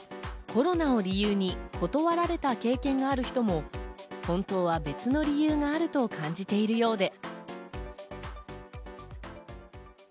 コロナを理由に断られた経験がある人も本当は別の理由があると感じているようで。